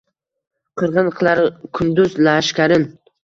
Qirgʼin qilar kunduz lashkarin.